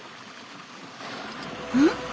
うん？